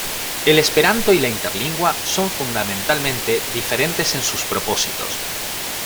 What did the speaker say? El esperanto y la interlingua son fundamentalmente diferentes en sus propósitos.